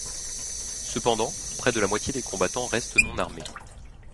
Cependant, près de la moitié des combattants restent non armés.